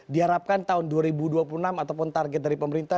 diharapkan tahun dua ribu dua puluh enam ataupun target dari pemerintah